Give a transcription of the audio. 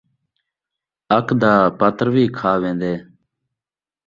اک دا پتر وی کھا ویندے